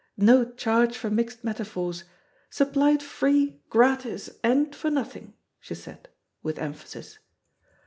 No charge for mixed metaphors. Supplied free, gratis, and for nothing," she said, with emphasis.